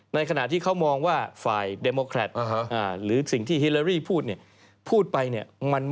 ในขณะที่เค้ามองว่าไฟล์ดเดมอครัทถึงหลีห์พูดเนี่ย